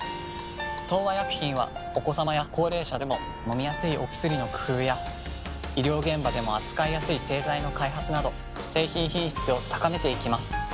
東和薬品はお子さまや高齢者でも飲みやすいお薬の工夫や医療現場でも扱いやすい製剤の開発など製品品質を高めていきます。